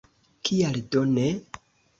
Kial do ne?